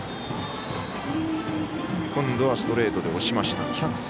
今度はストレートで押しました。